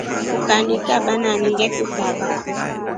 Ukanyikaba nani ngekukaba.